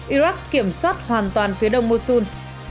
iraq kiểm soát hoàn toàn phía đông mosul